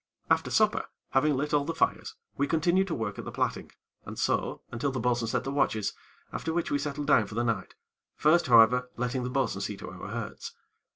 After supper, having lit all the fires, we continued to work at the plaiting, and so, until the bo'sun set the watches, after which we settled down for the night, first, however, letting the bo'sun see to our hurts.